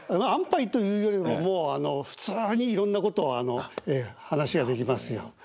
安パイというよりももう普通にいろんなことを話ができますよ。